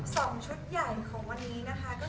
ชอบใจว่ามันใหญ่โตโมโหละ